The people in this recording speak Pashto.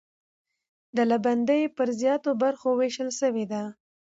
ډلبندي پر زیاتو برخو وېشل سوې ده.